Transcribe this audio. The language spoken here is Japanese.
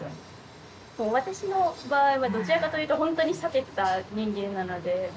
私の場合はどちらかというと本当に避けてた人間なので。